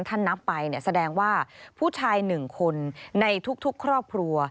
ถ้านับไปแสดงว่าผู้ชาย๑คนในทุกครอบครัว